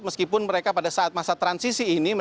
meskipun mereka pada saat masa transisi ini